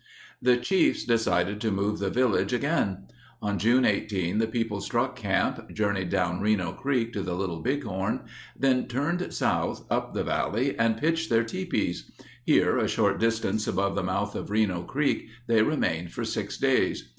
The chiefs decided to move the village again. On June 18 the people struck camp, journeyed down Reno Creek to the Little Bighorn, then turned south, up the valley, and pitched their tipis. Here, a short distance above the mouth of Reno Creek, they remained for six days.